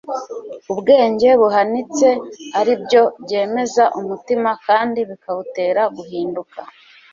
ubwenge buhanitse ari byo byemeza umutima kandi bikawutera guhinduka